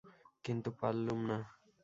কিন্তু পারলুম না।